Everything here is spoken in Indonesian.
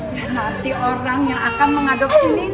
nanti orang yang akan mengadopsi nino